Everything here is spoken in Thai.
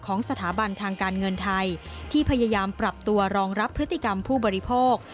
ของสถาบันทางการเงินไทยที่พยายามปรับตัวรองรับพฤติกรรมผู้บริโภค